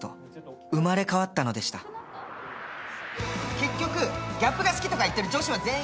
結局ギャップが好きとか言ってる女子は全員。